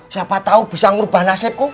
siapa tau bisa ngerubah nasibku